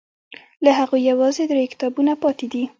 له هغوی یوازې درې کتابونه پاتې دي.